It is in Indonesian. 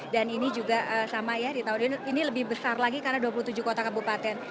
dan ini juga sama ya ditawarin ini lebih besar lagi karena dua puluh tujuh kota kabupaten